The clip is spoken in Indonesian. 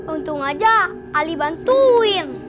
untung aja ali bantuin